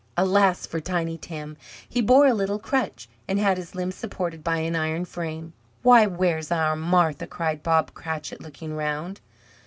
Alas for Tiny Tim, he bore a little crutch, and had his limbs supported by an iron frame! "Why, where's our Martha?" cried Bob Cratchit, looking around.